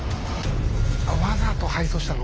わざと敗走したの？